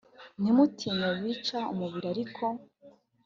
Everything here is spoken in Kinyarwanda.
ntimutinye abica umubiri ariko